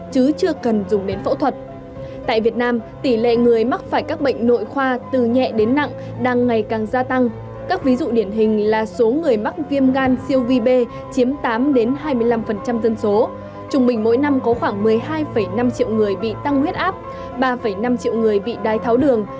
chúng mình mỗi năm có khoảng một mươi hai năm triệu người bị tăng huyết áp ba năm triệu người bị đai tháo đường